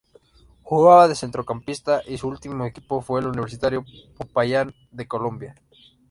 Jugaba de Centrocampista y su último equipo fue el Universitario Popayán de Colombia.